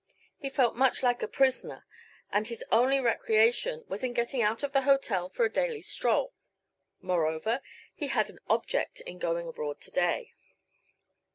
He felt much like a prisoner, and his only recreation was in getting out of the hotel for a daily stroll. Moreover, he had an object in going abroad to day.